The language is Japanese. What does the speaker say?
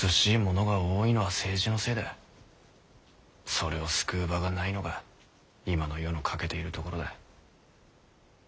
それを救う場がないのが今の世の欠けているところだ。